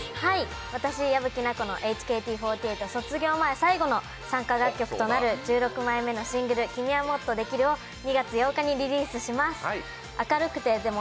私、矢吹奈子のＨＫＴ４８の最後の参加楽曲となる１６枚目のシングル「君はもっとできる」が２月８日にリリースします。